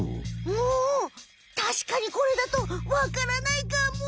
おたしかにこれだとわからないかも。